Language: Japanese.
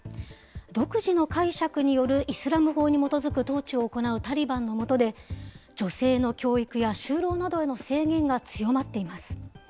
独自の解釈によるイスラム法に基づく統治を行うタリバンの下で、女性の教育や就労などへの制限が強まっています。